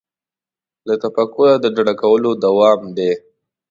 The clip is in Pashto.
له تفکره د ډډه کولو دوام دی.